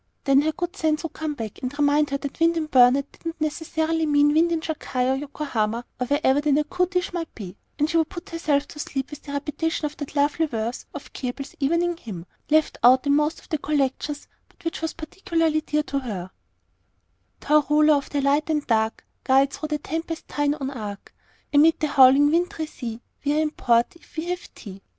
Then her good sense would come back, and remind her that wind in Burnet did not necessarily mean wind in Shanghai or Yokohama or wherever the "Natchitoches" might be; and she would put herself to sleep with the repetition of that lovely verse of Keble's "Evening Hymn," left out in most of the collections, but which was particularly dear to her: "Thou Ruler of the light and dark, Guide through the tempest Thine own Ark; Amid the howling, wintry sea, We are in port if we have Thee."